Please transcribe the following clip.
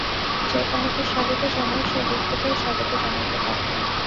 যে তাহাকে স্বাগত জানায়, সে দুঃখকেও স্বাগত জানাইতে বাধ্য।